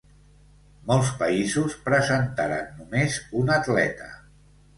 Molts països presentaren només un atleta.